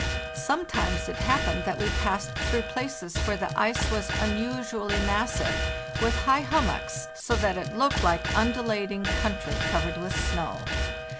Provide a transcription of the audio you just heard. Sometimes it happened that we passed through places where the ice was " unusually massive, with high hummocks, so that it looked lke undulating country covered with snow."